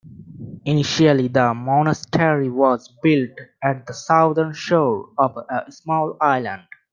Initially the monastery was built at the southern shore of a small island.